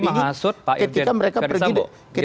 dia menghasut pak irjen ferdisambo